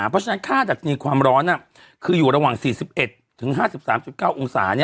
เพราะฉะนั้นค่าดัชนีความร้อนน่ะคืออยู่ระหว่างสี่สิบเอ็ดถึงห้าสิบสามจุดเก้าองศาเนี้ย